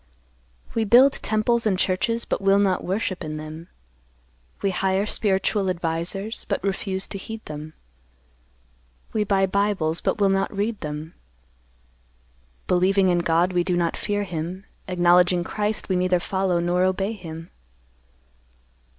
"We build temples and churches, but will not worship in them; we hire spiritual advisers, but refuse to heed them; we buy bibles, but will not read them; believing in God, we do not fear Him; acknowledging Christ, we neither follow nor obey Him.